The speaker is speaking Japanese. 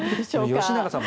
吉永さん